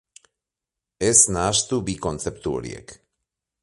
Ez nahastu bi kontzeptu horiek.